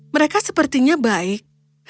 mereka sepertinya baik